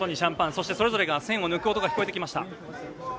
そして、それぞれが栓を抜く音が聞こえてきました。